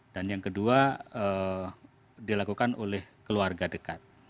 dan yang kedua dilakukan oleh keluarga dekat